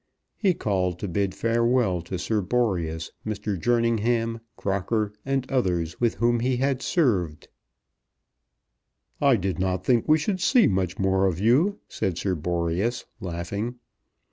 He called to bid farewell to Sir Boreas, Mr. Jerningham, Crocker, and others with whom he had served. "I did not think we should see much more of you," said Sir Boreas, laughing.